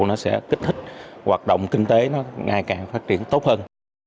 nó sẽ kích thích hoạt động kinh tế nó ngày càng phát triển tốt hơn